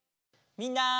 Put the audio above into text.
みんな！